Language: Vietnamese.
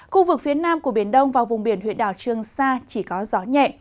khu vực phía nam của biển đông và vùng biển huyện đảo trương sa chỉ có gió nhẹ